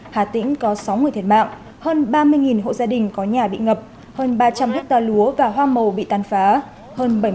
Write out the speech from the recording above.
hà tĩnh có sáu người thiệt mạng hơn ba mươi hộ gia đình có nhà bị ngập hơn ba trăm linh hectare lúa và hoa màu bị tàn phá